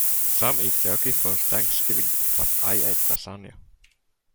Some eat turkey for Thanksgiving, but I ate lasagna.